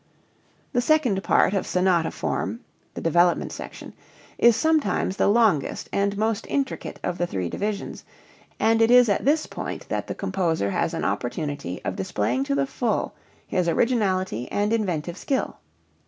The second part of sonata form (the development section) is sometimes the longest and most intricate of the three divisions, and it is at this point that the composer has an opportunity of displaying to the full his originality and inventive skill.